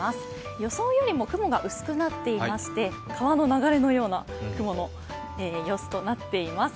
予想よりも雲が薄くなっていまして、川の流れのような雲の様子となっています。